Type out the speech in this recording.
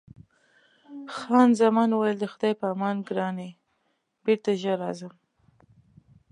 خان زمان وویل: د خدای په امان ګرانې، بېرته ژر راځم.